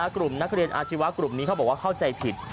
กลุ่มนักเรียนอาชีวะคิดว่าเข้าใจผิด